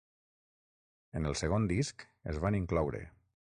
En el segon disc es van incloure.